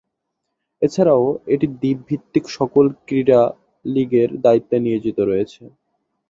এছাড়াও এটি দ্বীপ ভিত্তিক সকল ক্রীড়া লীগের দায়িত্বে নিয়োজিত রয়েছে।